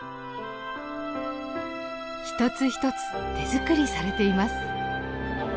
一つ一つ手作りされています。